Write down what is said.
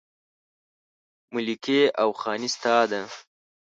ملکي او خاني ستا ده